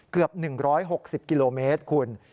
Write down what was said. เกือบ๑๖๐กิโลเมตรคุณ